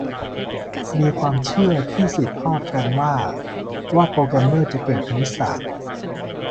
มีความเชื่อที่สืบทอดกันว่าว่าโปรแกรมเมอร์จะเก่งคณิตศาสตร์